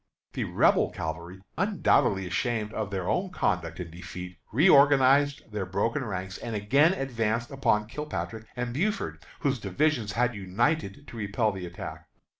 The Rebel cavalry, undoubtedly ashamed of their own conduct and defeat, reorganized their broken ranks, and again advanced upon Kilpatrick and Buford, whose divisions had united to repel the attack.